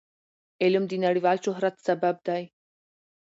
علم د نړیوال شهرت سبب دی.